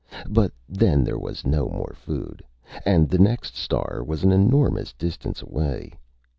But then there was no more food, and the next star was an enormous distance away.